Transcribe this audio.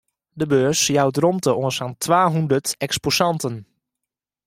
De beurs jout romte oan sa'n twahûndert eksposanten.